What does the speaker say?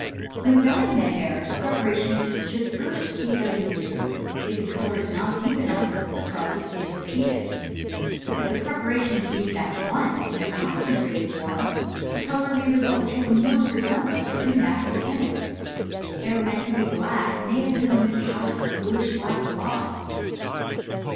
When dyeing the hair the preparations should first be diluted; if the color is not deep enough, the process is repeated. If the preparation is used at once in a concentrated form, a color may result which has no resemblance to any natural tint; hair meant to be black may assume a metallic bluish black gloss.